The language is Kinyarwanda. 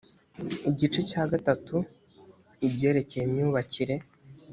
igice cya gatatu ibyerekeye imyubakire